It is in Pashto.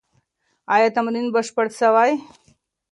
ایا تمرین بشپړ سوی؟